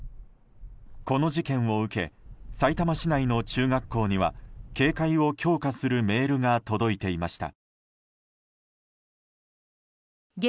この事件を受けさいたま市内の中学校には警戒を強化するメールが届いていました。